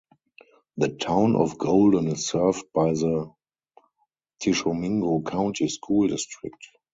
The Town of Golden is served by the Tishomingo County School District.